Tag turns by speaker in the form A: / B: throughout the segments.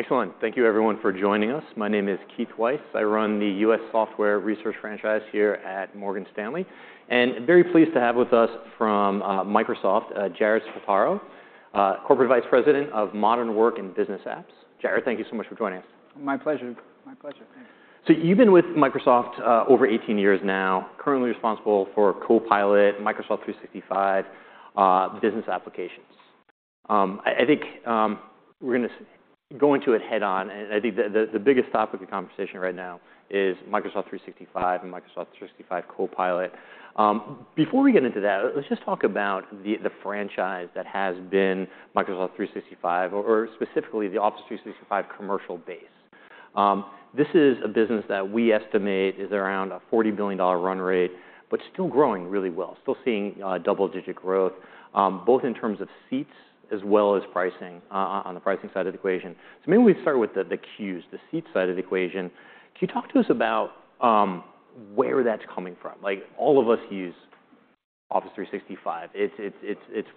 A: Excellent. Thank you everyone for joining us. My name is Keith Weiss. I run the U.S. software research franchise here at Morgan Stanley, and very pleased to have with us from Microsoft, Jared Spataro, Corporate Vice President of Modern Work and Business Apps. Jared, thank you so much for joining us.
B: My pleasure.
A: So you've been with Microsoft over 18 years now. Currently responsible for Copilot, Microsoft 365, Business Applications. I think we're gonna go into it head-on, and the biggest topic of conversation right now is Microsoft 365 and Microsoft 365 Copilot. Before we get into that, let's just talk about the franchise that has been Microsoft 365, or specifically, the Office 365 commercial base. This is a business that we estimate is around a $40 billion run rate, but still growing really well. Still seeing double-digit growth, both in terms of seats as well as pricing, on the pricing side of the equation. So maybe we start with the cues, the seat side of the equation. Can you talk to us about where that's coming from? Like, all of us use Office 365. It's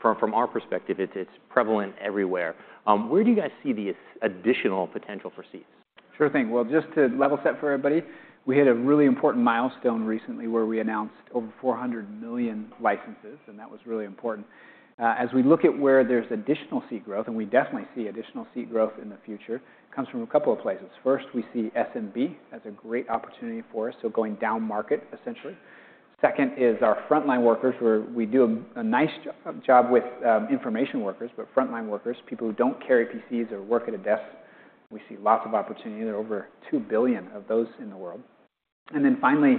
A: from our perspective, it's prevalent everywhere. Where do you guys see the additional potential for seats?
B: Sure thing. Well, just to level set for everybody, we hit a really important milestone recently where we announced over 400 million licenses, and that was really important. As we look at where there's additional seat growth, and we definitely see additional seat growth in the future, comes from a couple of places. First, we see SMB as a great opportunity for us, so going down market, essentially. Second is our frontline workers, where we do a nice job with information workers, but frontline workers, people who don't carry PCs or work at a desk, we see lots of opportunity. There are over two billion of those in the world. And then finally,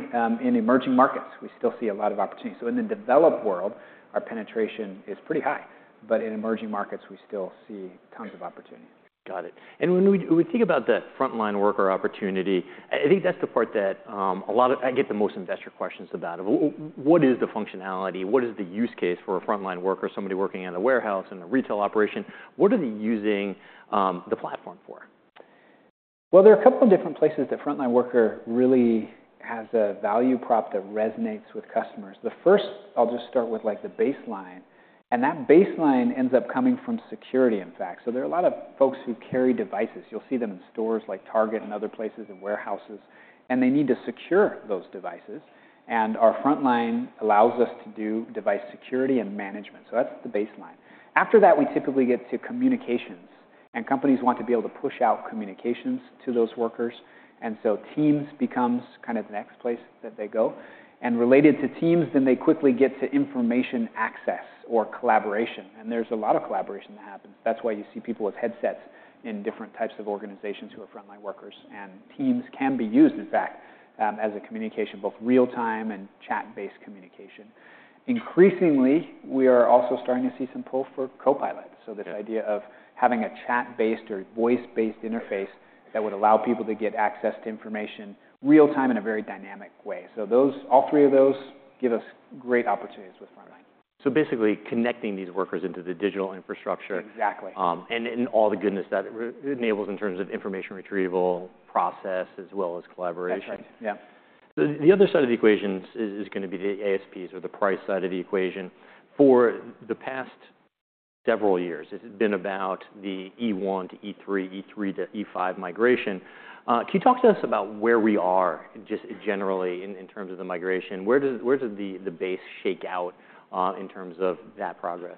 B: in emerging markets, we still see a lot of opportunity. So in the developed world, our penetration is pretty high, but in emerging markets, we still see tons of opportunity.
A: Got it. And when we think about the frontline worker opportunity, I think that's the part that, a lot of, I get the most investor questions about. What is the functionality? What is the use case for a frontline worker, somebody working in a warehouse, in a retail operation? What are they using the platform for?
B: Well, there are a couple of different places that frontline worker really has a value prop that resonates with customers. The first, I'll just start with, like, the baseline, and that baseline ends up coming from security, in fact. So there are a lot of folks who carry devices. You'll see them in stores like Target and other places, and warehouses, and they need to secure those devices, and our frontline allows us to do device security and management, so that's the baseline. After that, we typically get to communications, and companies want to be able to push out communications to those workers, and so Teams becomes kind of the next place that they go. And related to Teams, then they quickly get to information access or collaboration, and there's a lot of collaboration that happens. That's why you see people with headsets in different types of organizations who are frontline workers, and Teams can be used, in fact, as a communication, both real-time and chat-based communication. Increasingly, we are also starting to see some pull for Copilot.
A: Yeah.
B: So this idea of having a chat-based or voice-based interface that would allow people to get access to information real time in a very dynamic way. So those, all three of those give us great opportunities with frontline.
A: So basically, connecting these workers into the digital infrastructure.
B: Exactly.
A: And all the goodness that enables in terms of information retrieval, process, as well as collaboration.
B: That's right. Yeah.
A: The other side of the equation is gonna be the ASPs or the price side of the equation. For the past several years, it has been about the E1-E3, E3-E5 migration. Can you talk to us about where we are, just generally, in terms of the migration? Where does the base shake out in terms of that progress?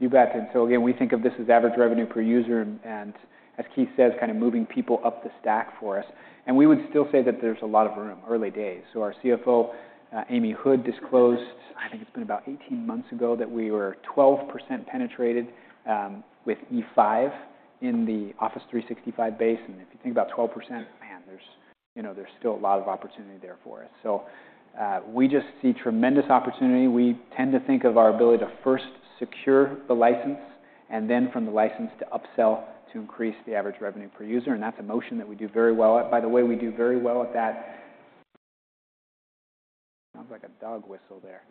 B: You bet. And so again, we think of this as average revenue per user, and, and as Keith says, kind of moving people up the stack for us. And we would still say that there's a lot of room, early days. So our CFO, Amy Hood, disclosed, I think it's been about 18 months ago, that we were 12% penetrated, with E5 in the Office 365 base. And if you think about 12%, man, there's, you know, there's still a lot of opportunity there for us. So, we just see tremendous opportunity. We tend to think of our ability to first secure the license, and then from the license to upsell, to increase the average revenue per user, and that's a motion that we do very well at. By the way, we do very well at that, sounds like a dog whistle there.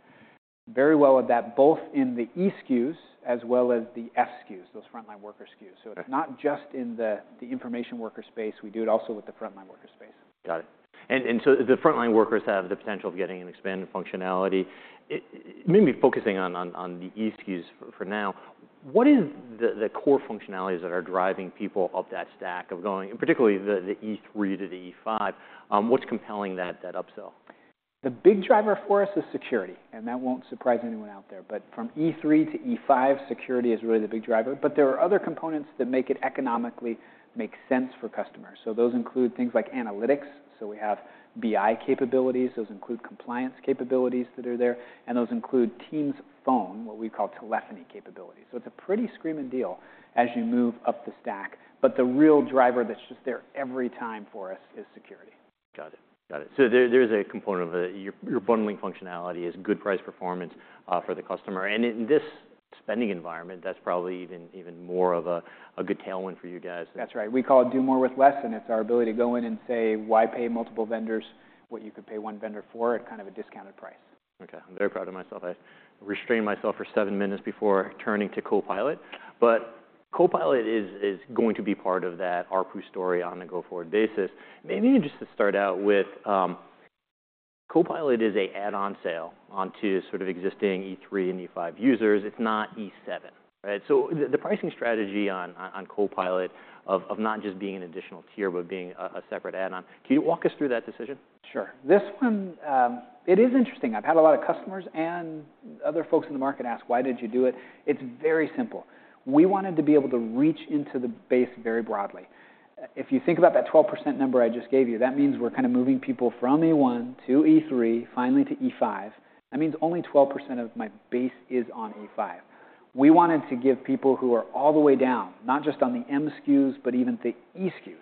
B: Very well at that, both in the E SKUs as well as the F SKUs, those frontline worker SKUs.
A: Okay.
B: It's not just in the information worker space. We do it also with the frontline worker space.
A: Got it. And so the frontline workers have the potential of getting an expanded functionality. Maybe focusing on the E SKUs for now, what is the core functionalities that are driving people up that stack of going, and particularly the E3-E5, what's compelling that upsell?
B: The big driver for us is security, and that won't surprise anyone out there. But from E3-E5, security is really the big driver. But there are other components that make it economically make sense for customers, so those include things like analytics. So we have BI capabilities, those include compliance capabilities that are there, and those include Teams Phone, what we call telephony capabilities. So it's a pretty screaming deal as you move up the stack, but the real driver that's just there every time for us is security.
A: Got it. Got it. So there is a component of your bundling functionality is good price performance for the customer. And in this spending environment, that's probably even more of a good tailwind for you guys.
B: That's right. We call it Do More with Less, and it's our ability to go in and say, "Why pay multiple vendors what you could pay one vendor for at kind of a discounted price?"
A: Okay. I'm very proud of myself. I restrained myself for seven minutes before turning to Copilot, but Copilot is going to be part of that ARPU story on a go-forward basis. Maybe just to start out with, Copilot is an add-on sale onto sort of existing E3 and E5 users. It's not E7, right? So the pricing strategy on Copilot of not just being an additional tier, but being a separate add-on, can you walk us through that decision?
B: Sure. This one, it is interesting. I've had a lot of customers and other folks in the market ask, "Why did you do it?" It's very simple. We wanted to be able to reach into the base very broadly. If you think about that 12% number I just gave you, that means we're kind of moving people from E1-E3, finally to E5. That means only 12% of my base is on E5. We wanted to give people who are all the way down, not just on the M SKUs, but even the E SKUs,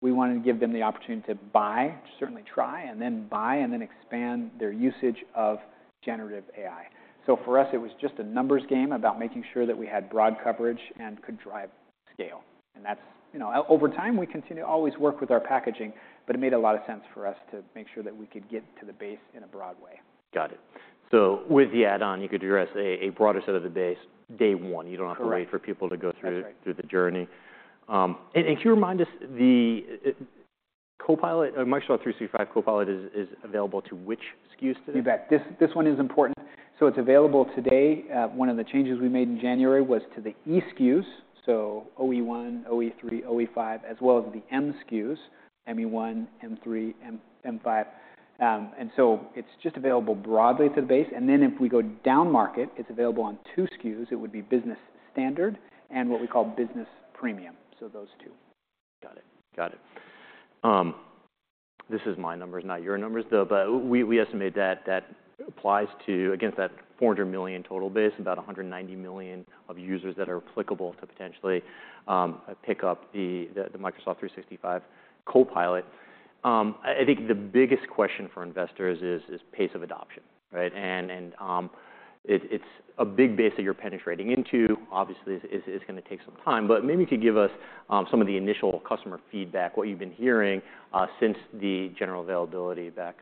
B: we wanted to give them the opportunity to buy, certainly try, and then buy, and then expand their usage of generative AI. So for us, it was just a numbers game about making sure that we had broad coverage and could drive scale, and that's. You know, over time, we continue to always work with our packaging, but it made a lot of sense for us to make sure that we could get to the base in a broad way.
A: Got it. So with the add-on, you could address a broader set of the base day one.
B: Correct.
A: You don't have to wait for people to go through the journey.
B: That's right
A: And can you remind us, the Copilot, Microsoft 365 Copilot is available to which SKUs today?
B: You bet. This, this one is important. So it's available today. One of the changes we made in January was to the E SKUs, so OE1, OE3, OE5, as well as the M SKUs, ME1, M3, M5. And so it's just available broadly to the base, and then if we go downmarket, it's available on two SKUs. It would be Business Standard and what we call Business Premium, so those two.
A: Got it. Got it. This is my numbers, not your numbers, though, but we, we estimate that that applies to, against that 400 million total base, about 190 million of users that are applicable to potentially pick up the Microsoft 365 Copilot. I think the biggest question for investors is pace of adoption, right? And it, it's a big base that you're penetrating into. Obviously, it's gonna take some time, but maybe you could give us some of the initial customer feedback, what you've been hearing since the general availability back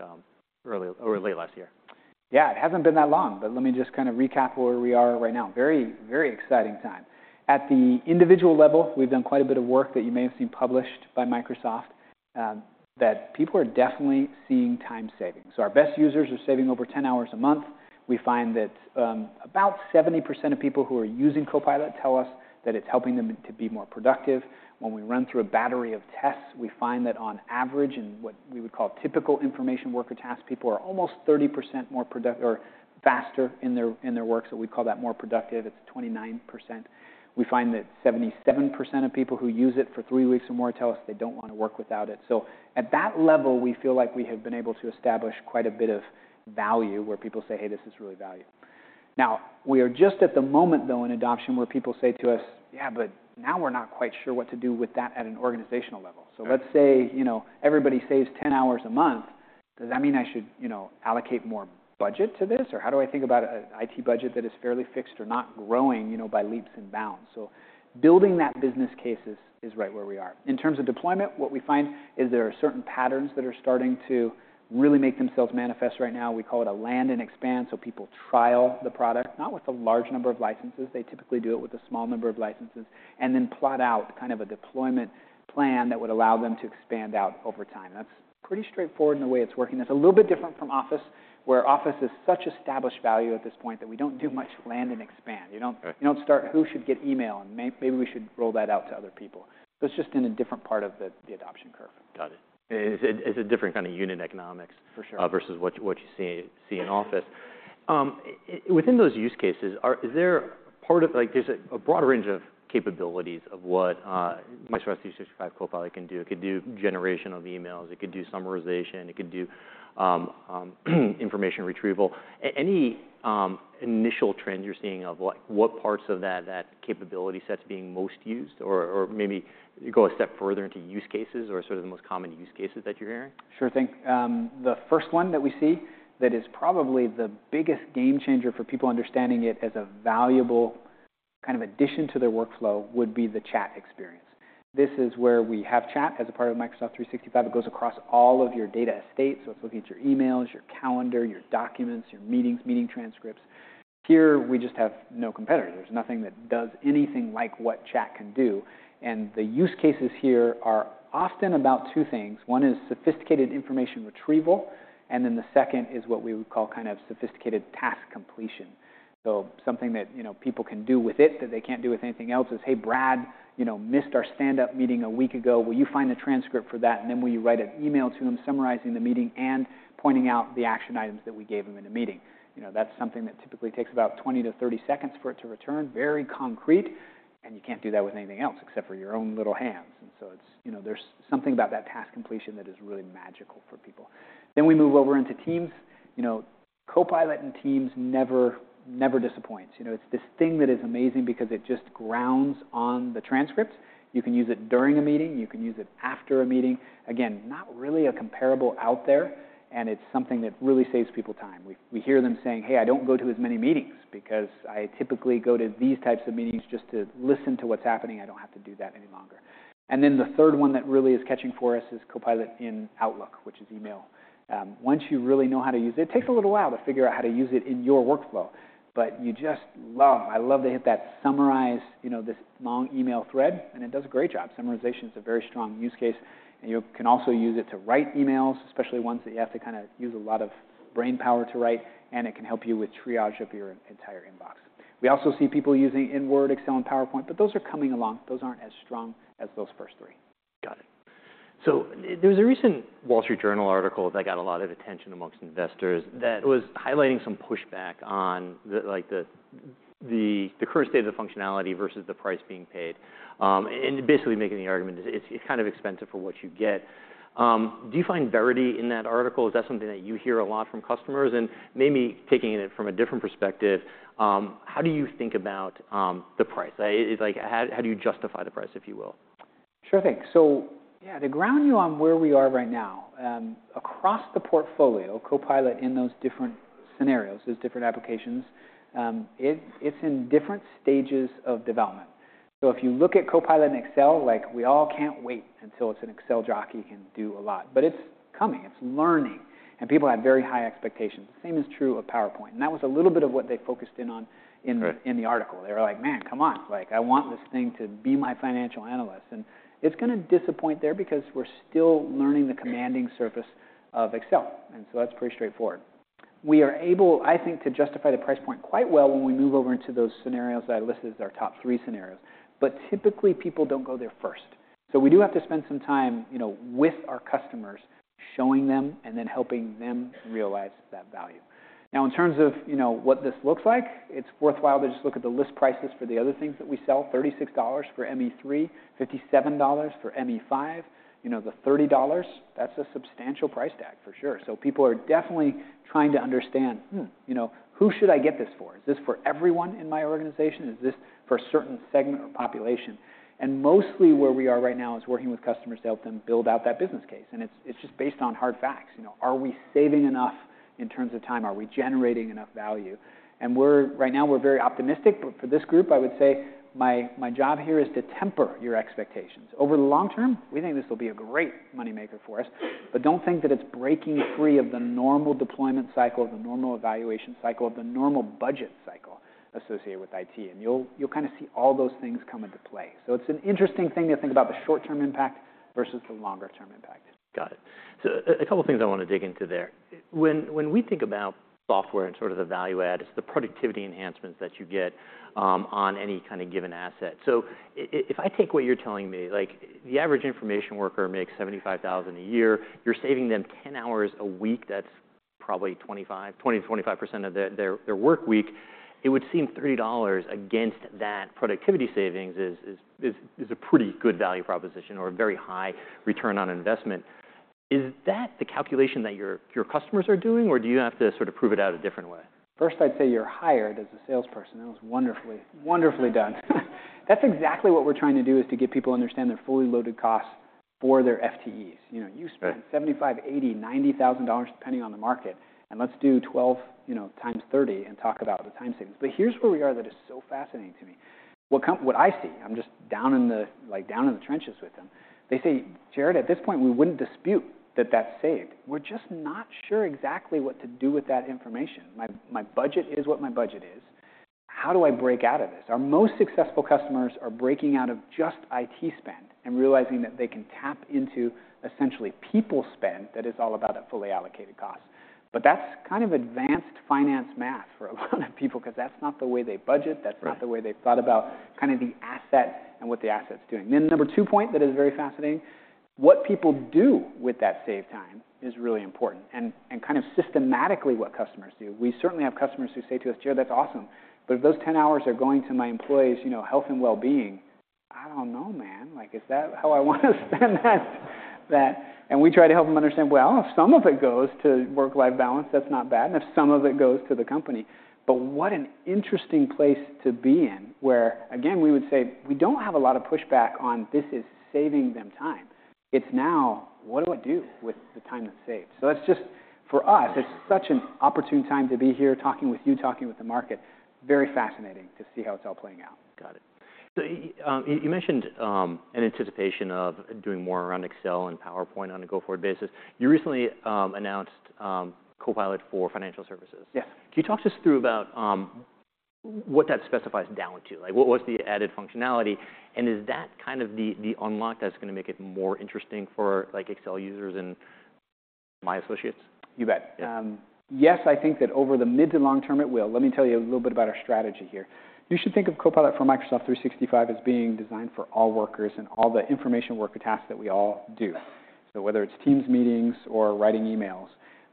A: early or late last year.
B: Yeah, it hasn't been that long, but let me just kind of recap where we are right now. Very, very exciting time. At the individual level, we've done quite a bit of work that you may have seen published by Microsoft, that people are definitely seeing time savings. So our best users are saving over 10 hours a month. We find that, about 70% of people who are using Copilot tell us that it's helping them to be more productive. When we run through a battery of tests, we find that on average, in what we would call typical information worker tasks, people are almost 30% more productive or faster in their work, so we call that more productive. It's 29%. We find that 77% of people who use it for three weeks or more tell us they don't wanna work without it. So at that level, we feel like we have been able to establish quite a bit of value, where people say, "Hey, this is really valuable." Now, we are just at the moment, though, in adoption, where people say to us, "Yeah, but now we're not quite sure what to do with that at an organizational level.
A: Yeah.
B: So let's say, you know, everybody saves ten hours a month, does that mean I should, you know, allocate more budget to this, or how do I think about an IT budget that is fairly fixed or not growing, you know, by leaps and bounds?" So building that business case is, is right where we are. In terms of deployment, what we find is there are certain patterns that are starting to really make themselves manifest right now. We call it a land and expand, so people trial the product, not with a large number of licenses. They typically do it with a small number of licenses, and then plot out kind of a deployment plan that would allow them to expand out over time. That's pretty straightforward in the way it's working. It's a little bit different from Office, where Office is such established value at this point that we don't do much land and expand.
A: Okay.
B: You don't start, "Who should get email? And maybe we should roll that out to other people." So it's just in a different part of the adoption curve.
A: Got it. It's a, it's a different kind of unit economics.
B: For sure.
A: Versus what you see in Office. Within those use cases, is there part of like, there's a broader range of capabilities of what Microsoft 365 Copilot can do. It could do generation of emails. It could do summarization. It could do information retrieval. Any initial trends you're seeing of what parts of that capability sets being most used? Or maybe you go a step further into use cases or sort of the most common use cases that you're hearing?
B: Sure thing. The first one that we see that is probably the biggest game changer for people understanding it as a valuable kind of addition to their workflow would be the chat experience. This is where we have Chat as a part of Microsoft 365. It goes across all of your data estates, so it's looking at your emails, your calendar, your documents, your meetings, meeting transcripts. Here, we just have no competitor. There's nothing that does anything like what Chat can do, and the use cases here are often about two things. One is sophisticated information retrieval, and then the second is what we would call kind of sophisticated task completion. So something that, you know, people can do with it that they can't do with anything else is, "Hey, Brad, you know, missed our stand-up meeting a week ago. Will you find the transcript for that, and then will you write an email to him summarizing the meeting and pointing out the action items that we gave him in the meeting?" You know, that's something that typically takes about 20-30 seconds for it to return, very concrete, and you can't do that with anything else except for your own little hands. And so it's, you know, there's something about that task completion that is really magical for people. Then we move over into Teams. You know, Copilot in Teams never, never disappoints. You know, it's this thing that is amazing because it just grounds on the transcripts. You can use it during a meeting, you can use it after a meeting. Again, not really a comparable out there, and it's something that really saves people time. We hear them saying, "Hey, I don't go to as many meetings, because I typically go to these types of meetings just to listen to what's happening. I don't have to do that any longer." And then the third one that really is catching for us is Copilot in Outlook, which is email. Once you really know how to use it, it takes a little while to figure out how to use it in your workflow, but you just love, I love to hit that summarize, you know, this long email thread, and it does a great job. Summarization is a very strong use case, and you can also use it to write emails, especially ones that you have to kind of use a lot of brainpower to write, and it can help you with triage of your entire inbox. We also see people using Word, Excel, and PowerPoint, but those are coming along. Those aren't as strong as those first three.
A: Got it. So there was a recent Wall Street Journal article that got a lot of attention among investors, that was highlighting some pushback on the, like, the current state of the functionality versus the price being paid. And basically making the argument is it's kind of expensive for what you get. Do you find verity in that article? Is that something that you hear a lot from customers? And maybe taking it from a different perspective, how do you think about the price? Like, how do you justify the price, if you will?
B: Sure thing. So yeah, to ground you on where we are right now, across the portfolio, Copilot in those different scenarios, those different applications, it's in different stages of development. So if you look at Copilot in Excel, like, we all can't wait until it's an Excel jockey can do a lot, but it's coming, it's learning, and people have very high expectations. The same is true of PowerPoint, and that was a little bit of what they focused in the article.
A: Right
B: They were like, "Man, come on. Like, I want this thing to be my financial analyst." And it's gonna disappoint there because we're still learning the commanding surface of Excel, and so that's pretty straightforward. We are able, I think, to justify the price point quite well when we move over into those scenarios that I listed as our top three scenarios. But typically, people don't go there first. So we do have to spend some time, you know, with our customers, showing them and then helping them realize that value. Now, in terms of, you know, what this looks like, it's worthwhile to just look at the list prices for the other things that we sell, $36 for M365 E3, $57 for M365 E5. You know, the $30, that's a substantial price tag for sure. So people are definitely trying to understand, "Hmm, you know, who should I get this for? Is this for everyone in my organization? Is this for a certain segment or population?" And mostly, where we are right now is working with customers to help them build out that business case, and it's, it's just based on hard facts. You know, are we saving enough in terms of time? Are we generating enough value? And we're, right now, we're very optimistic. But for this group, I would say my, my job here is to temper your expectations. Over the long term, we think this will be a great money maker for us, but don't think that it's breaking free of the normal deployment cycle, the normal evaluation cycle, of the normal budget cycle associated with IT, and you'll, you'll kind of see all those things come into play. It's an interesting thing to think about the short-term impact versus the longer-term impact.
A: Got it. So a couple of things I want to dig into there. When we think about software and sort of the value add, it's the productivity enhancements that you get on any kind of given asset. If I take what you're telling me, like, the average information worker makes $75,000 a year. You're saving them 10 hours a week. That's probably 20%-25% of their work week. It would seem $3 against that productivity savings is a pretty good value proposition or a very high return on investment. Is that the calculation that your customers are doing, or do you have to sort of prove it out a different way?
B: First, I'd say you're hired as a salesperson. That was wonderfully, wonderfully done. That's exactly what we're trying to do, is to get people to understand their fully loaded costs for their FTEs. You know, you spend $75,000, $80,000, $90,000, depending on the market, and let's do 12, you know, times 30 and talk about the time savings. But here's where we are that is so fascinating to me. What I see, I'm just down in the, like, down in the trenches with them. They say, "Jared, at this point, we wouldn't dispute that that's saved. We're just not sure exactly what to do with that information. My, my budget is what my budget is. How do I break out of this?" Our most successful customers are breaking out of just IT spend and realizing that they can tap into essentially people spend, that is all about a fully allocated cost. But that's kind of advanced finance math for a lot of people because that's not the way they budget.
A: Right
B: That's not the way they thought about kind of the asset and what the asset's doing. Then number two point that is very fascinating, what people do with that saved time is really important and kind of systematically what customers do. We certainly have customers who say to us, "Jared, that's awesome, but if those 10 hours are going to my employees', you know, health and well-being, I don't know, man. Like, is that how I want to spend that?". And we try to help them understand, well, if some of it goes to work-life balance, that's not bad, and if some of it goes to the company. But what an interesting place to be in, where, again, we would say we don't have a lot of pushback on this is saving them time. It's now, what do I do with the time it saves? That's just, for us, it's such an opportune time to be here talking with you, talking with the market. Very fascinating to see how it's all playing out.
A: Got it. So you mentioned an anticipation of doing more around Excel and PowerPoint on a go-forward basis. You recently announced Copilot for Financial Services.
B: Yeah.
A: Can you talk us through about what that specifies down to? Like, what was the added functionality, and is that kind of the unlock that's gonna make it more interesting for, like, Excel users and my associates?
B: You bet.
A: Yeah.
B: Yes, I think that over the mid to long term, it will. Let me tell you a little bit about our strategy here. You should think of Copilot for Microsoft 365 as being designed for all workers and all the information worker tasks that we all do. So whether it's Teams meetings or writing emails,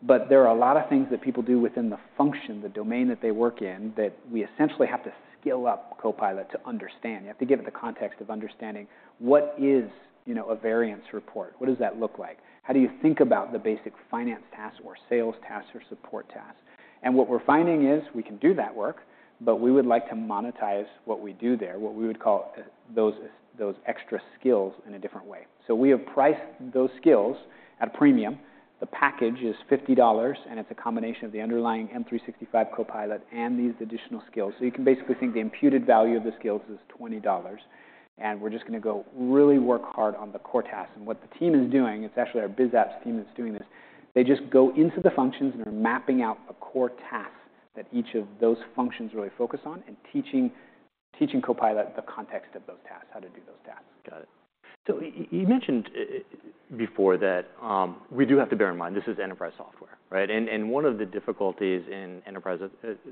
B: but there are a lot of things that people do within the function, the domain that they work in, that we essentially have to scale up Copilot to understand. You have to give it the context of understanding what is, you know, a variance report? What does that look like? How do you think about the basic finance tasks or sales tasks or support tasks? And what we're finding is we can do that work, but we would like to monetize what we do there, what we would call those, those extra skills, in a different way. So we have priced those skills at a premium. The package is $50, and it's a combination of the underlying M365 Copilot and these additional skills. So you can basically think the imputed value of the skills is $20, and we're just gonna go really work hard on the core tasks. And what the team is doing, it's actually our BizOps team that's doing this, they just go into the functions and are mapping out a core task that each of those functions really focus on and teaching Copilot the context of those tasks, how to do those tasks.
A: Got it. So you mentioned before that we do have to bear in mind this is enterprise software, right? And one of the difficulties in enterprise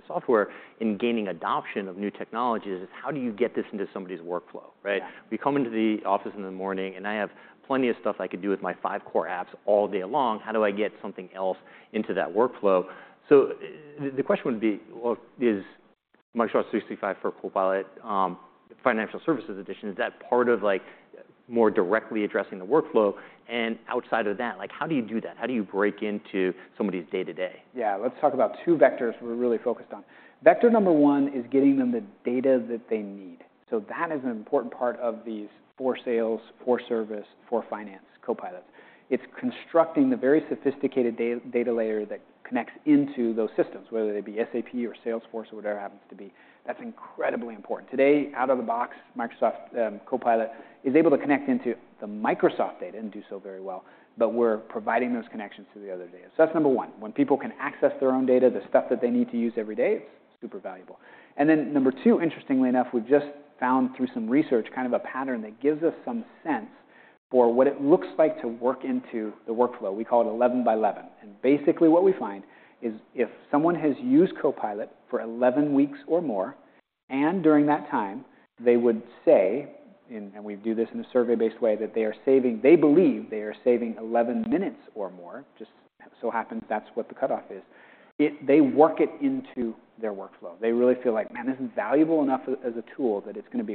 A: software in gaining adoption of new technologies is how do you get this into somebody's workflow, right?
B: Yeah.
A: We come into the office in the morning, and I have plenty of stuff I could do with my five core apps all day long. How do I get something else into that workflow? So the question would be, well, is Microsoft 365 for Copilot, Financial Services Edition, is that part of, like, more directly addressing the workflow? And outside of that, like, how do you do that? How do you break into somebody's day-to-day?
B: Yeah. Let's talk about two vectors we're really focused on. Vector number one is getting them the data that they need. So that is an important part of these for Sales, for Service, for Finance Copilots. It's constructing the very sophisticated data layer that connects into those systems, whether they be SAP or Salesforce or whatever it happens to be. That's incredibly important. Today, out of the box, Microsoft Copilot is able to connect into the Microsoft data and do so very well, but we're providing those connections to the other data. So that's number one. When people can access their own data, the stuff that they need to use every day, it's super valuable. And then number two, interestingly enough, we've just found through some research kind of a pattern that gives us some sense for what it looks like to work into the workflow. We call it 11 by 11. Basically, what we find is if someone has used Copilot for 11 weeks or more, and during that time, they would say, and we do this in a survey-based way, that they are saving, they believe they are saving 11 minutes or more, just so happens that's what the cutoff is, it, they work it into their workflow. They really feel like, "Man, this is valuable enough as a tool that it's gonna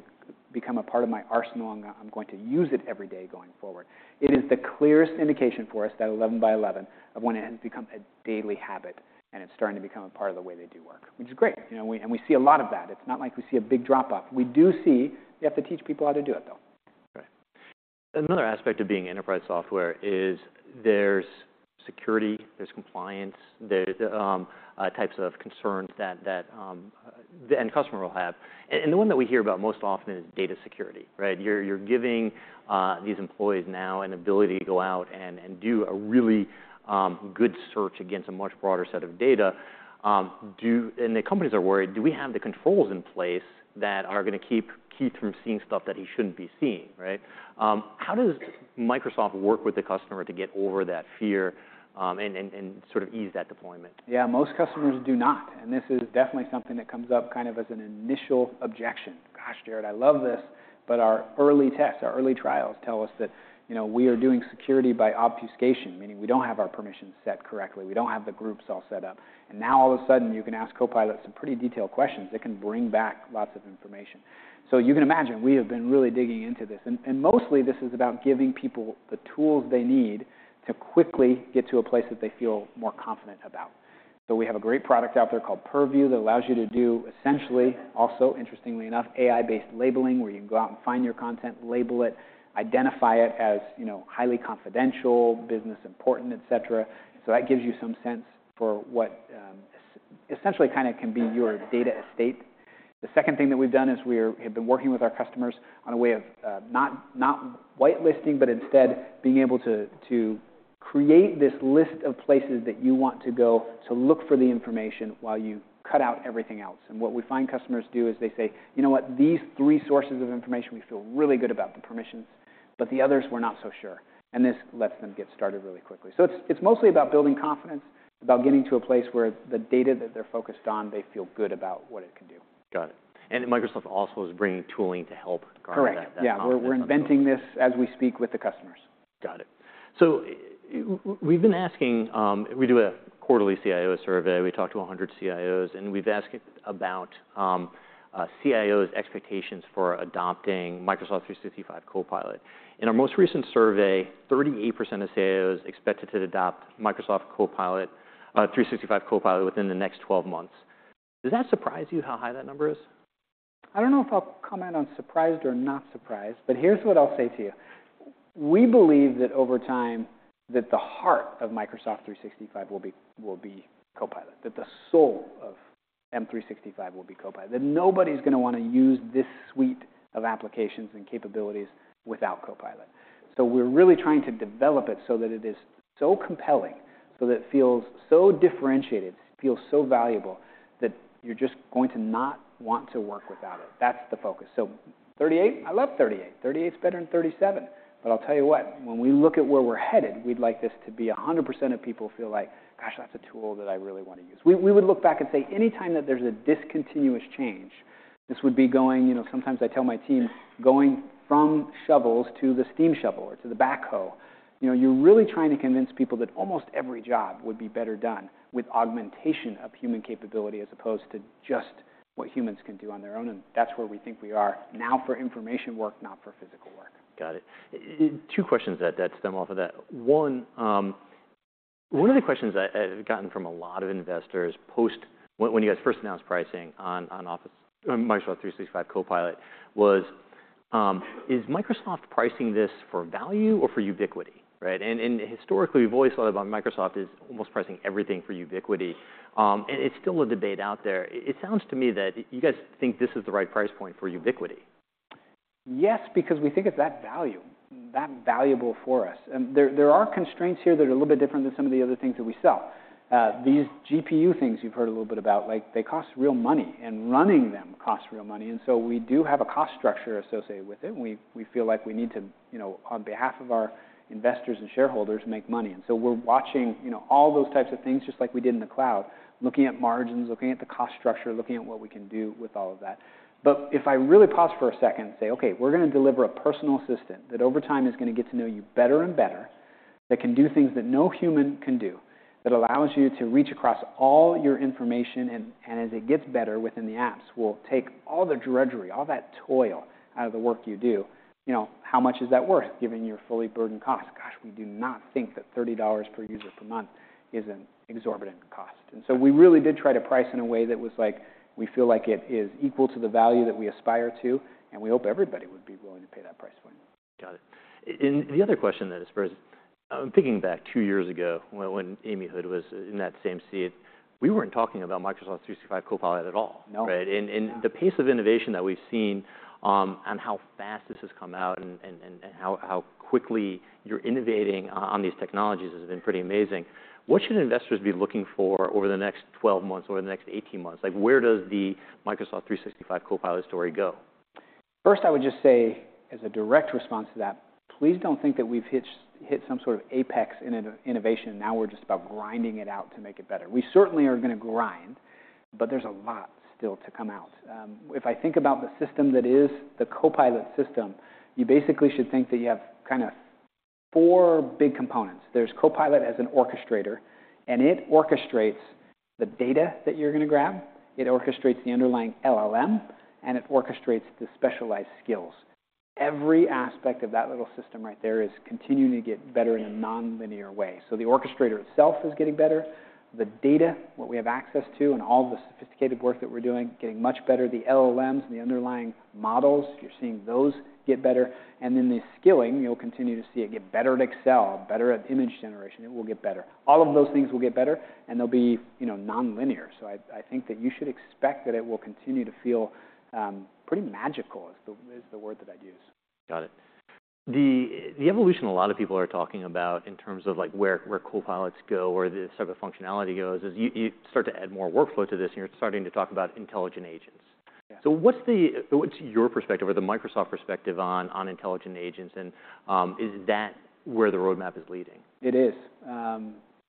B: become a part of my arsenal, and I'm going to use it every day going forward." It is the clearest indication for us, that 11 by 11, of when it has become a daily habit, and it's starting to become a part of the way they do work, which is great. You know, we, and we see a lot of that. It's not like we see a big drop-off. We do see, we have to teach people how to do it, though.
A: Right. Another aspect of being enterprise software is there's security, there's compliance, there's types of concerns that the end customer will have, and the one that we hear about most often is data security, right? You're giving these employees now an ability to go out and do a really good search against a much broader set of data, and the companies are worried: do we have the controls in place that are gonna keep Keith from seeing stuff that he shouldn't be seeing, right? How does Microsoft work with the customer to get over that fear, and sort of ease that deployment?
B: Yeah, most customers do not, and this is definitely something that comes up kind of as an initial objection. "Gosh, Jared, I love this, but our early tests, our early trials tell us that, you know, we are doing security by obfuscation," meaning we don't have our permissions set correctly. We don't have the groups all set up. And now all of a sudden, you can ask Copilot some pretty detailed questions that can bring back lots of information. So you can imagine, we have been really digging into this, and mostly this is about giving people the tools they need to quickly get to a place that they feel more confident about. So we have a great product out there called Purview that allows you to do essentially, also, interestingly enough, AI-based labeling, where you can go out and find your content, label it, identify it as, you know, highly confidential, business important, etc.. So that gives you some sense for what essentially kind of can be your data estate. The second thing that we've done is we have been working with our customers on a way of not whitelisting, but instead being able to create this list of places that you want to go to look for the information while you cut out everything else. And what we find customers do is they say, "You know what? These three sources of information, we feel really good about the permissions, but the others, we're not so sure." And this lets them get started really quickly. So it's mostly about building confidence, about getting to a place where the data that they're focused on, they feel good about what it can do.
A: Got it. And Microsoft also is bringing tooling to help guide that.
B: Correct
A: That confidence.
B: Yeah. We're inventing this as we speak with the customers.
A: Got it. So we've been asking. We do a quarterly CIO survey. We talk to 100 CIOs, and we've asked about CIOs' expectations for adopting Microsoft 365 Copilot. In our most recent survey, 38% of CIOs expected to adopt Microsoft Copilot, 365 Copilot within the next 12 months. Does that surprise you how high that number is?
B: I don't know if I'll comment on surprised or not surprised, but here's what I'll say to you: We believe that over time, that the heart of Microsoft 365 will be, will be Copilot, that the soul of M365 will be Copilot, that nobody's gonna wanna use this suite of applications and capabilities without Copilot. So we're really trying to develop it so that it is so compelling, so that it feels so differentiated, feels so valuable, that you're just going to not want to work without it. That's the focus. So 38? I love 38. 38's better than 37. But I'll tell you what, when we look at where we're headed, we'd like this to be 100% of people feel like, "Gosh, that's a tool that I really want to use." We, we would look back and say anytime that there's a discontinuous change, this would be going, you know, sometimes I tell my team, going from shovels to the steam shovel or to the backhoe, you know, you're really trying to convince people that almost every job would be better done with augmentation of human capability as opposed to just what humans can do on their own, and that's where we think we are now for information work, not for physical work.
A: Got it. Two questions that stem off of that. One of the questions I've gotten from a lot of investors post when you guys first announced pricing on Office on Microsoft 365 Copilot was: Is Microsoft pricing this for value or for ubiquity, right? And historically, voice of Microsoft is almost pricing everything for ubiquity. And it's still a debate out there. It sounds to me that you guys think this is the right price point for ubiquity.
B: Yes, because we think it's that value, that valuable for us. There are constraints here that are a little bit different than some of the other things that we sell. These GPU things you've heard a little bit about, like, they cost real money, and running them costs real money, and so we do have a cost structure associated with it, and we feel like we need to, you know, on behalf of our investors and shareholders, make money. And so we're watching, you know, all those types of things, just like we did in the cloud, looking at margins, looking at the cost structure, looking at what we can do with all of that. But if I really pause for a second and say, "Okay, we're gonna deliver a personal assistant that over time is gonna get to know you better and better, that can do things that no human can do, that allows you to reach across all your information, and, and as it gets better within the apps, will take all the drudgery, all that toil out of the work you do," you know, how much is that worth, given your fully burdened cost? Gosh, we do not think that $30 per user per month is an exorbitant cost. And so we really did try to price in a way that was like, we feel like it is equal to the value that we aspire to, and we hope everybody would be willing to pay that price point.
A: Got it. And the other question then is, first, I'm thinking back two years ago when Amy Hood was in that same seat, we weren't talking about Microsoft 365 Copilot at all.
B: No.
A: Right? And the pace of innovation that we've seen on how fast this has come out and how quickly you're innovating on these technologies has been pretty amazing. What should investors be looking for over the next 12 months, over the next 18 months? Like, where does the Microsoft 365 Copilot story go?
B: First, I would just say, as a direct response to that, please don't think that we've hit some sort of apex in innovation, now we're just about grinding it out to make it better. We certainly are gonna grind, but there's a lot still to come out. If I think about the system that is the Copilot system, you basically should think that you have kind of four big components. There's Copilot as an orchestrator, and it orchestrates the data that you're gonna grab, it orchestrates the underlying LLM, and it orchestrates the specialized skills. Every aspect of that little system right there is continuing to get better in a nonlinear way. So the orchestrator itself is getting better, the data, what we have access to, and all the sophisticated work that we're doing, getting much better. The LLMs and the underlying models, you're seeing those get better, and then the skilling, you'll continue to see it get better at Excel, better at image generation. It will get better. All of those things will get better, and they'll be, you know, nonlinear. So I think that you should expect that it will continue to feel pretty magical, is the word that I'd use.
A: Got it. The evolution a lot of people are talking about in terms of, like, where Copilots go or the type of functionality goes, is you start to add more workflow to this, and you're starting to talk about intelligent agents.
B: Yeah.
A: What's your perspective or the Microsoft perspective on intelligent agents? And, is that where the roadmap is leading?
B: It is.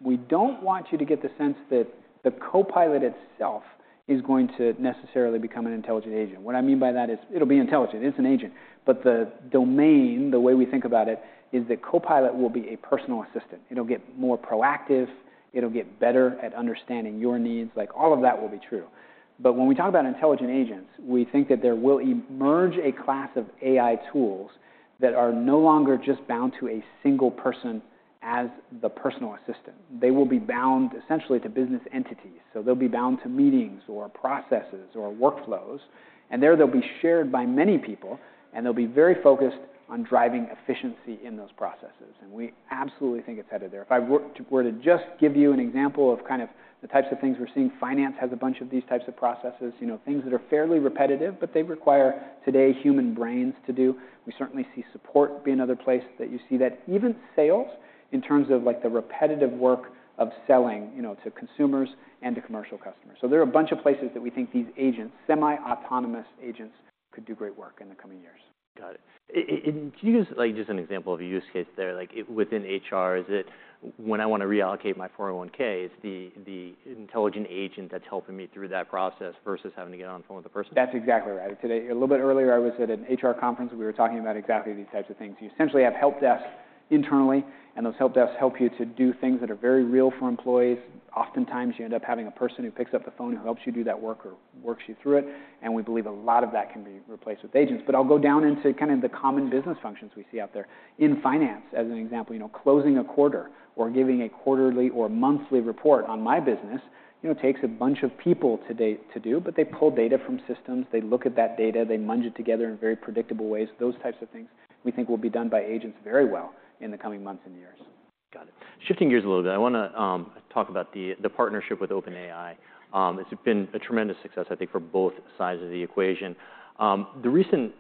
B: We don't want you to get the sense that the Copilot itself is going to necessarily become an intelligent agent. What I mean by that is, it'll be intelligent, it's an agent, but the domain, the way we think about it, is that Copilot will be a personal assistant. It'll get more proactive, it'll get better at understanding your needs, like, all of that will be true. But when we talk about intelligent agents, we think that there will emerge a class of AI tools that are no longer just bound to a single person as the personal assistant. They will be bound essentially to business entities, so they'll be bound to meetings or processes or workflows, and there, they'll be shared by many people, and they'll be very focused on driving efficiency in those processes, and we absolutely think it's headed there. If I were to just give you an example of kind of the types of things we're seeing, finance has a bunch of these types of processes, you know, things that are fairly repetitive, but they require, today, human brains to do. We certainly see support being another place that you see that. Even sales, in terms of, like, the repetitive work of selling, you know, to consumers and to commercial customers. So there are a bunch of places that we think these agents, semi-autonomous agents, could do great work in the coming years.
A: Got it. And can you give us, like, just an example of a use case there? Like, within HR, is it when I want to reallocate my 401(k), it's the intelligent agent that's helping me through that process versus having to get on the phone with the person?
B: That's exactly right. Today, a little bit earlier, I was at an HR conference. We were talking about exactly these types of things. You essentially have help desks internally, and those help desks help you to do things that are very real for employees. Oftentimes, you end up having a person who picks up the phone and helps you do that work or works you through it, and we believe a lot of that can be replaced with agents. But I'll go down into kind of the common business functions we see out there. In finance, as an example, you know, closing a quarter or giving a quarterly or monthly report on my business, you know, takes a bunch of people today to do, but they pull data from systems, they look at that data, they munge it together in very predictable ways. Those types of things we think will be done by agents very well in the coming months and years.
A: Got it. Shifting gears a little bit, I wanna talk about the partnership with OpenAI. It's been a tremendous success, I think, for both sides of the equation. The recent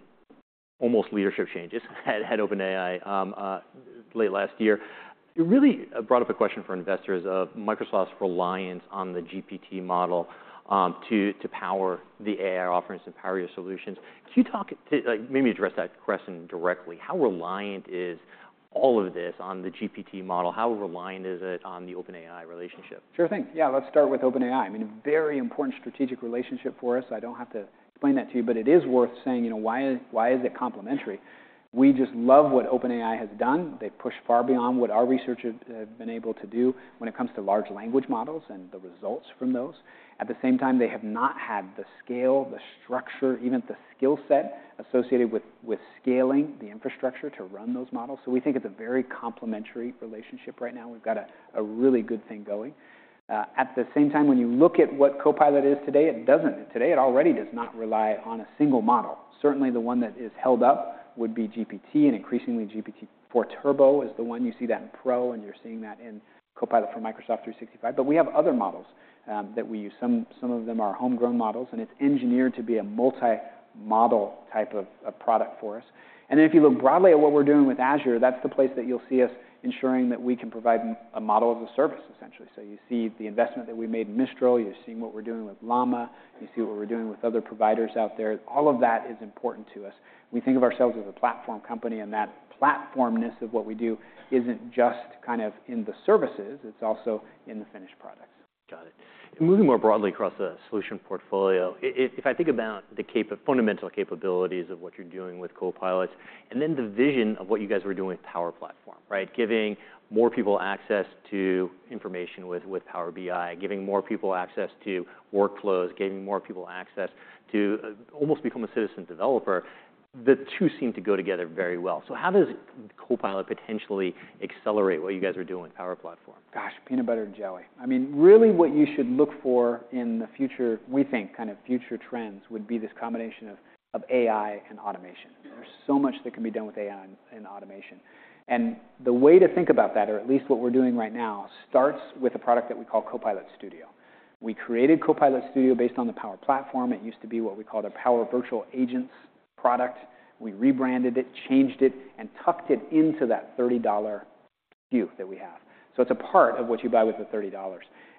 A: almost leadership changes at OpenAI late last year, it really brought up a question for investors of Microsoft's reliance on the GPT model to power the AI offerings and power your solutions. Can you talk, like, maybe address that question directly? How reliant is all of this on the GPT model? How reliant is it on the OpenAI relationship?
B: Sure thing. Yeah, let's start with OpenAI. I mean, a very important strategic relationship for us. I don't have to explain that to you, but it is worth saying, you know, why is, why is it complementary? We just love what OpenAI has done. They've pushed far beyond what our researchers have been able to do when it comes to large language models and the results from those. At the same time, they have not had the scale, the structure, even the skill set associated with, with scaling the infrastructure to run those models. So we think it's a very complementary relationship right now. We've got a, a really good thing going. At the same time, when you look at what Copilot is today, it doesn't. Today, it already does not rely on a single model. Certainly, the one that is held up would be GPT, and increasingly, GPT-4 Turbo is the one. You see that in Pro, and you're seeing that in Copilot for Microsoft 365. But we have other models that we use. Some of them are homegrown models, and it's engineered to be a multi-model type of product for us. And then if you look broadly at what we're doing with Azure, that's the place that you'll see us ensuring that we can provide a model as a service, essentially. So you see the investment that we made in Mistral, you're seeing what we're doing with Llama, you see what we're doing with other providers out there. All of that is important to us. We think of ourselves as a platform company, and that platform-ness of what we do isn't just kind of in the services, it's also in the finished products.
A: Got it. Moving more broadly across the solution portfolio, if I think about the fundamental capabilities of what you're doing with Copilots, and then the vision of what you guys were doing with Power Platform, right? Giving more people access to information with Power BI, giving more people access to workflows, giving more people access to almost become a citizen developer, the two seem to go together very well. So how does Copilot potentially accelerate what you guys are doing with Power Platform?
B: Gosh, peanut butter and jelly. I mean, really what you should look for in the future, we think, kind of future trends, would be this combination of, of AI and automation. There's so much that can be done with AI and, and automation. And the way to think about that, or at least what we're doing right now, starts with a product that we call Copilot Studio. We created Copilot Studio based on the Power Platform. It used to be what we called our Power Virtual Agents product. We rebranded it, changed it, and tucked it into that $30 SKU that we have. So it's a part of what you buy with the $30,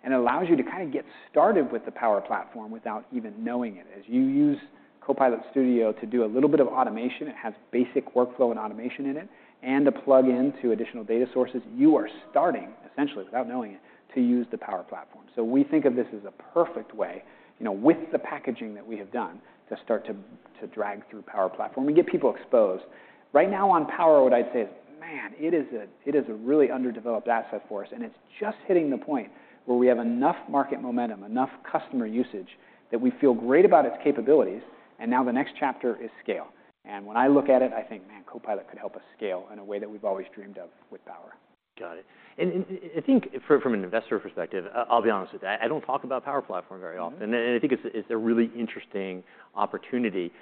B: and it allows you to kind of get started with the Power Platform without even knowing it. As you use Copilot Studio to do a little bit of automation, it has basic workflow and automation in it, and a plug-in to additional data sources, you are starting, essentially, without knowing it, to use the Power Platform. So we think of this as a perfect way, you know, with the packaging that we have done, to start to, to drag through Power Platform. We get people exposed. Right now on Power, what I'd say is, man, it is a, it is a really underdeveloped asset for us, and it's just hitting the point where we have enough market momentum, enough customer usage, that we feel great about its capabilities, and now the next chapter is scale. And when I look at it, I think, "Man, Copilot could help us scale in a way that we've always dreamed of with Power.
A: Got it. And I think from an investor perspective, I'll be honest with you, I don't talk about Power Platform very often. I think it's a really interesting opportunity.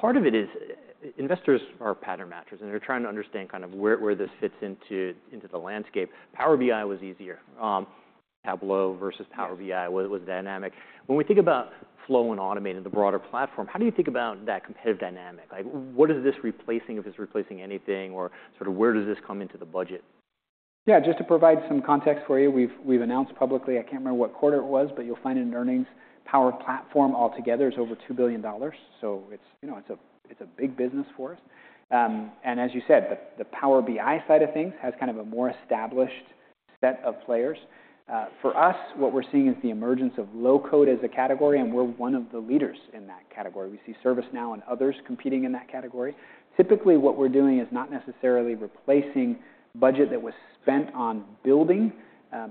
A: Part of it is investors are pattern matchers, and they're trying to understand kind of where this fits into the landscape. Power BI was easier. Tableau versus Power BI was dynamic. When we think about flow and automate and the broader platform, how do you think about that competitive dynamic? Like, what is this replacing, if it's replacing anything, or sort of where does this come into the budget?
B: Yeah, just to provide some context for you, we've announced publicly. I can't remember what quarter it was, but you'll find it in earnings. Power Platform altogether is over $2 billion, so it's, you know, it's a big business for us. And as you said, the Power BI side of things has kind of a more established set of players. For us, what we're seeing is the emergence of low code as a category, and we're one of the leaders in that category. We see ServiceNow and others competing in that category. Typically, what we're doing is not necessarily replacing budget that was spent on building,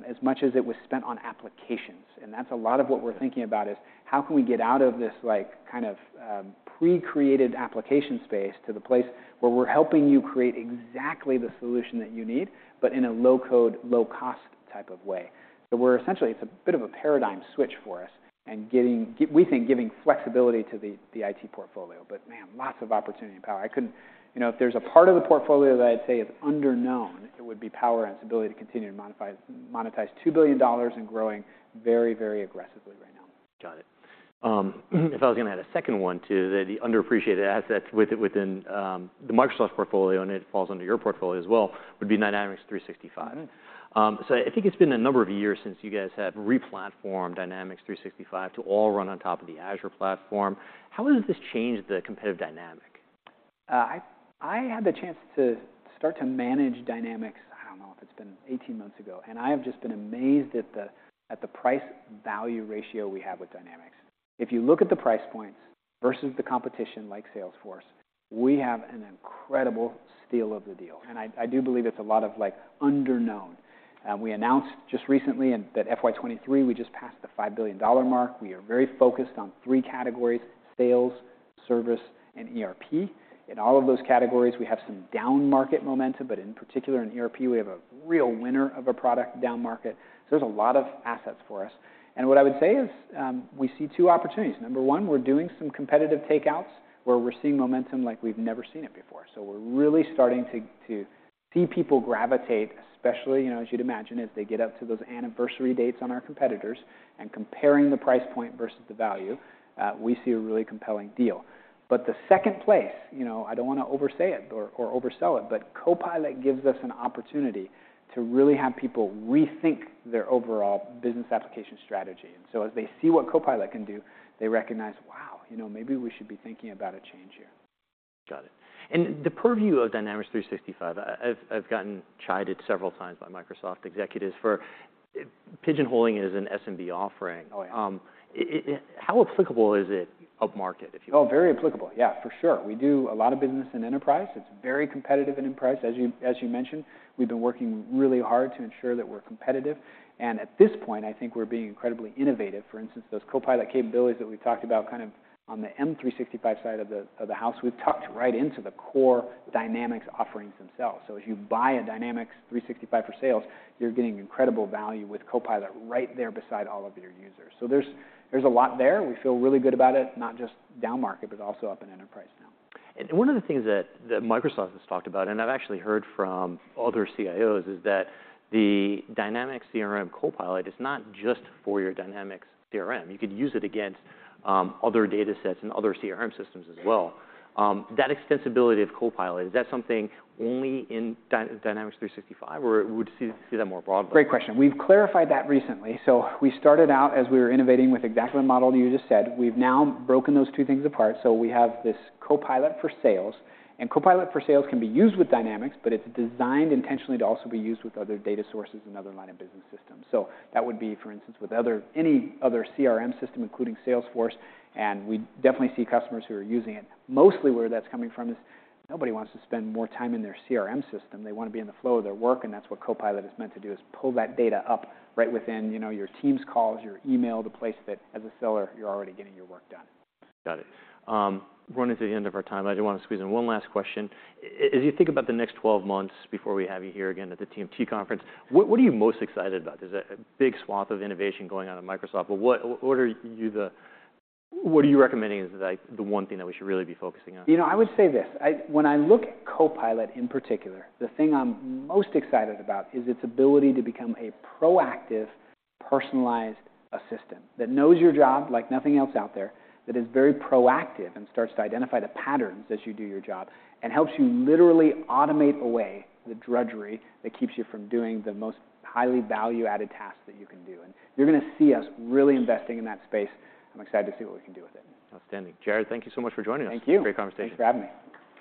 B: as much as it was spent on applications, and that's a lot of what we're thinking about, is how can we get out of this, like, kind of, pre-created application space to the place where we're helping you create exactly the solution that you need, but in a low-code, low-cost type of way? So we're essentially, it's a bit of a paradigm switch for us, and getting, we think, giving flexibility to the IT portfolio. But man, lots of opportunity in Power. I couldn't, you know, if there's a part of the portfolio that I'd say is underknown, it would be Power and its ability to continue to monetize $2 billion, and growing very, very aggressively right now.
A: Got it. If I was gonna add a second one, too, the underappreciated assets within the Microsoft portfolio, and it falls under your portfolio as well, would be Dynamics 365.
B: Mm-hmm.
A: I think it's been a number of years since you guys have replatformed Dynamics 365 to all run on top of the Azure platform. How has this changed the competitive dynamic?
B: I had the chance to start to manage Dynamics. I don't know if it's been 18 months ago, and I have just been amazed at the price-value ratio we have with Dynamics. If you look at the price points versus the competition, like Salesforce, we have an incredible steal of the deal, and I do believe it's a lot of, like, underknown. We announced just recently that FY23, we just passed the $5 billion mark. We are very focused on three categories: sales, service, and ERP. In all of those categories, we have some downmarket momentum, but in particular in ERP, we have a real winner of a product downmarket, so there's a lot of assets for us. And what I would say is, we see two opportunities. Number one, we're doing some competitive takeouts, where we're seeing momentum like we've never seen it before, so we're really starting to see people gravitate, especially, you know, as you'd imagine, as they get up to those anniversary dates on our competitors, and comparing the price point versus the value, we see a really compelling deal. But the second place, you know, I don't wanna oversay it or oversell it, but Copilot gives us an opportunity to really have people rethink their overall business application strategy. And so, as they see what Copilot can do, they recognize, "Wow, you know, maybe we should be thinking about a change here."
A: Got it. And the purview of Dynamics 365, I've gotten chided several times by Microsoft executives for pigeonholing it as an SMB offering.
B: Oh, yeah.
A: How applicable is it upmarket, if you will?
B: Oh, very applicable. Yeah, for sure. We do a lot of business in Enterprise. It's very competitive in Enterprise. As you, as you mentioned, we've been working really hard to ensure that we're competitive. And at this point, I think we're being incredibly innovative. For instance, those Copilot capabilities that we talked about, kind of on the M365 side of the, of the house, we've tucked right into the core Dynamics offerings themselves. So if you buy a Dynamics 365 for Sales, you're getting incredible value with Copilot right there beside all of your users. So there's, there's a lot there. We feel really good about it, not just downmarket, but also up in Enterprise now.
A: One of the things that Microsoft has talked about, and I've actually heard from other CIOs, is that the Dynamics CRM Copilot is not just for your Dynamics CRM. You could use it against other data sets and other CRM systems as well. That extensibility of Copilot, is that something only in Dynamics 365, or would you see that more broadly?
B: Great question. We've clarified that recently. So we started out as we were innovating with exactly the model you just said. We've now broken those two things apart, so we have this Copilot for Sales, and Copilot for Sales can be used with Dynamics, but it's designed intentionally to also be used with other data sources and other line of business systems. So that would be, for instance, with other, any other CRM system, including Salesforce, and we definitely see customers who are using it. Mostly where that's coming from is nobody wants to spend more time in their CRM system. They want to be in the flow of their work, and that's what Copilot is meant to do, is pull that data up right within, you know, your Teams calls, your email, the place that, as a seller, you're already getting your work done.
A: Got it. Running to the end of our time, I do want to squeeze in one last question. As you think about the next 12 months before we have you here again at the TMT conference, what are you most excited about? There's a big swath of innovation going on at Microsoft, but what are you recommending as, like, the one thing that we should really be focusing on?
B: You know, I would say this: When I look at Copilot, in particular, the thing I'm most excited about is its ability to become a proactive, personalized assistant that knows your job like nothing else out there, that is very proactive and starts to identify the patterns as you do your job and helps you literally automate away the drudgery that keeps you from doing the most highly value-added tasks that you can do. And you're gonna see us really investing in that space. I'm excited to see what we can do with it.
A: Outstanding. Jared, thank you so much for joining us.
B: Thank you.
A: Great conversation.
B: Thanks for having me.